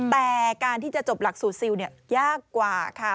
แต่การที่จะจบหลักสูตรซิลยากกว่าค่ะ